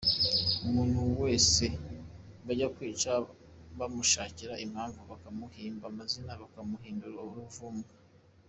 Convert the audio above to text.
Umuntu wese bajya kwica bamushakira impamvu, bakamuhimba amazina bakamuhindura ruvumwa.